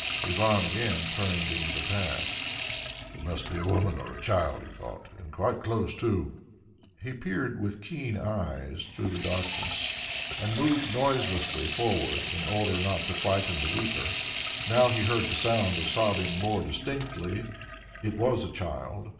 Ivan again turned into the path. "It must be a woman or a child," he thought, "and quite close too." He peered with keen eyes through the darkness and moved noiselessly forward, in order not to frighten the weeper. Now he heard the sound of sobbing more distinctly; it was a child.